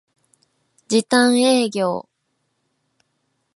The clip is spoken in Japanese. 時短営業